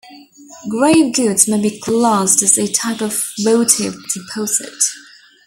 Grave goods may be classed as a type of votive deposit.